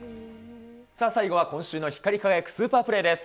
さあ、最後は今週の光り輝くスーパープレーです。